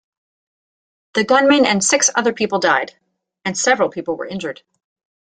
The gunman and six other people died, and several people were injured.